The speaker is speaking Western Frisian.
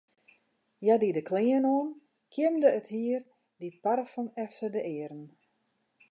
Hja die de klean oan, kjimde it hier, die parfum efter de earen.